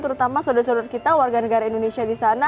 terutama saudara saudara kita warga negara indonesia di sana